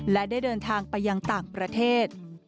และได้เดินทางไปยังต่างประเทศ